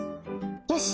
よし！